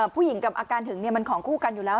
ผู้หญิงกับอาการหึงมันของคู่กันอยู่แล้ว